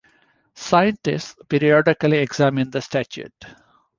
Scientists periodically examine the statuette.